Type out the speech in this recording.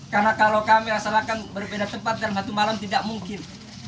karena kalau kami raksanakan berbeda tempat dalam satu malam tidak mungkin